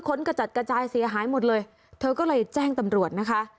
กระจัดกระจายเสียหายหมดเลยเธอก็เลยแจ้งตำรวจนะคะ